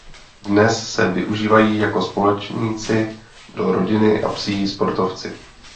Dnes se využívají jako společníci do rodiny a psí sportovci.